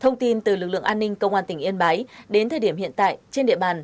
thông tin từ lực lượng an ninh công an tỉnh yên bái đến thời điểm hiện tại trên địa bàn